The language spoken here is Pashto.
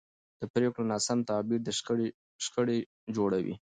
د پرېکړو ناسم تعبیر شخړې جوړوي